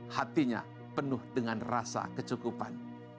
hatinya penuh dengan rasa kecukupan